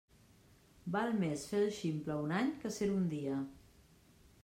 Val més fer el ximple un any que ser-ho un dia.